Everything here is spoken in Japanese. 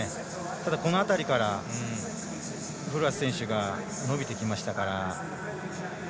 この辺りから、フロアス選手が伸びてきましたから。